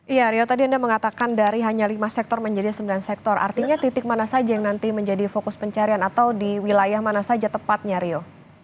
iya rio tadi anda mengatakan dari hanya lima sektor menjadi sembilan sektor artinya titik mana saja yang nanti menjadi fokus pencarian atau di wilayah mana saja tepatnya rio